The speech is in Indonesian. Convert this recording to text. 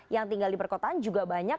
yang tinggal di perkotaan juga banyak